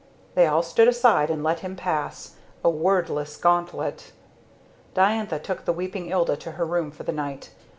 They all stood aside and let him pass a wordless gauntlet. Diantha took the weeping Ilda to her room for the night.